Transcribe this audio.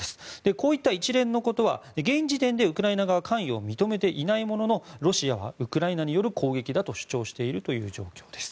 こういった一連のことは現時点でウクライナ側が関与を認めていないもののロシアはウクライナによる攻撃だと主張している状況です。